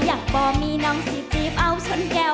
อยากบอกมีน้องสิจีบเอาชนแก้ว